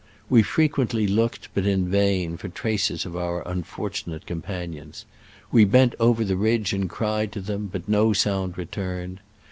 We fre quently looked, but in vain, for traces of our unfortunate companions : we bent over the ridge and cried to them, but no sound returned.